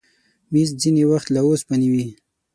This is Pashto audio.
مېز ځینې وخت له اوسپنې وي.